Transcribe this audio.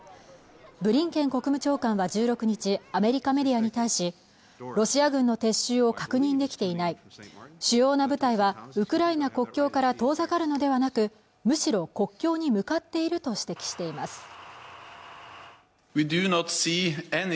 ブリンケン国務長官は１６日アメリカメディアに対しロシア軍の撤収を確認できていない主要な部隊はウクライナ国境から遠ざかるのではなくむしろ国境に向かっていると指摘しています